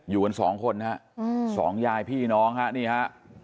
อยู่กันสองคนฮะสองยายพี่น้องฮะนี่ฮะ